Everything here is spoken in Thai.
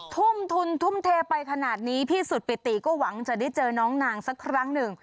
ทุ่มทุนทุ่มเทไปขนาดนี้พี่สุดปิติก็หวังจะได้เจอน้องนางสักครั้งหนึ่ง